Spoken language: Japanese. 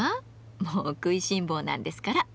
もう、食いしん坊なんですから。